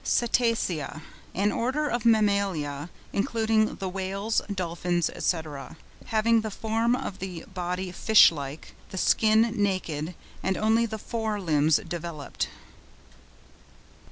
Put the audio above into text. CETACEA.—An order of Mammalia, including the Whales, Dolphins, &c., having the form of the body fish like, the skin naked, and only the fore limbs developed.